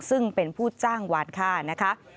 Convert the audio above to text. ซึ่งเป็นผู้จ้างวานค่านะคะ